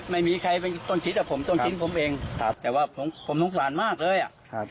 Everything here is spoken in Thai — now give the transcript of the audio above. ไม่มีใครต้นชิดกับผมต้นชิดกับผมเองแต่ว่าผมทงสารมากเลยอ่ะ